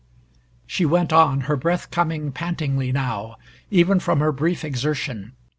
She went on, her breath coming pantingly now, even from her brief exertion.